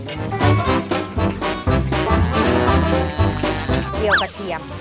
เรียวกระเทียม